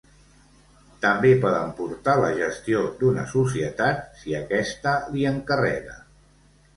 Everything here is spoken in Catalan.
També poden portar la gestió d'una societat, si aquesta li encarrega.